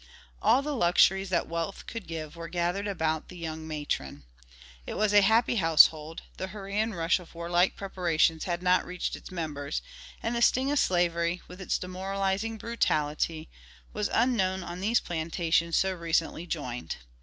All the luxuries that wealth could give were gathered about the young matron. It was a happy household; the hurry and rush of warlike preparations had not reached its members, and the sting of slavery, with its demoralizing brutality, was unknown on these plantations so recently joined.